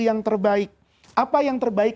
yang terbaik apa yang terbaik